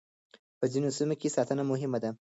په ځينو سيمو کې ساتنه مهمه ده.